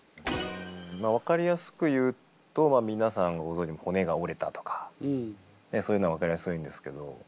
分かりやすく言うと皆さんご存じの骨が折れたとかそういうのは分かりやすいんですけど